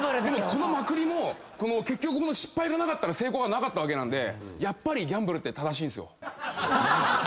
でもこのまくりも結局この失敗がなかったら成功がなかったわけなんでやっぱりギャンブルって正しいんですよ。